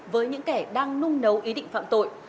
với những kẻ đang nung nấu ý định phạm tội